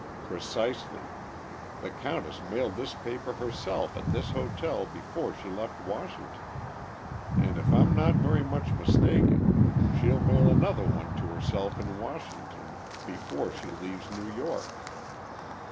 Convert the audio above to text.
"Precisely. The countess mailed this paper herself at this hotel before she left Washington. And, if I'm not very much mistaken, she'll mail another one to herself in Washington, before she leaves New York."